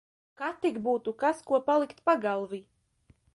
Kad tik būtu kas ko palikt pagalvī.